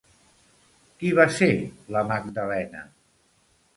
Qui va ser la Magdalena?